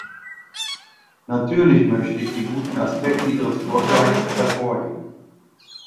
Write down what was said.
Natürlich möchte ich die guten Aspekte Ihres Vorschlags hervorheben.